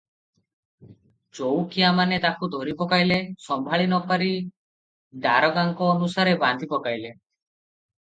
ଚଉକିଆମାନେ ତାକୁ ଧରିପକାଇଲେ; ସମ୍ଭାଳି ନପାରି ଦାରୋଗାଙ୍କ ଅନୁସାରେ ବାନ୍ଧି ପକାଇଲେ ।